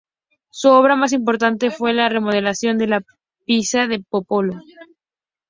Su obra más importante fue la remodelación de la Piazza del Popolo.